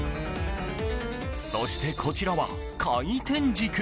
そしてこちらは、回転軸。